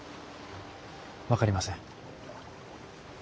分かりません。